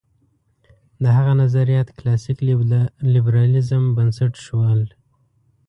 د هغه نظریات کلاسیک لېبرالېزم بنسټ شول.